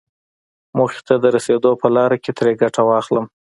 موخې ته د رسېدو په لاره کې ترې ګټه واخلم.